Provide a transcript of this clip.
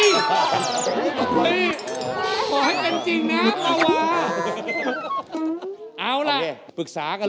เอ้ยตอบให้เป็นจริงนะจ๋าปลาค่า